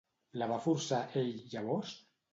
La va forçar ell llavors?